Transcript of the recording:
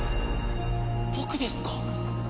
僕ですか！？